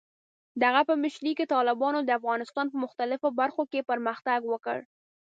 د هغه په مشرۍ کې، طالبانو د افغانستان په مختلفو برخو کې پرمختګ وکړ.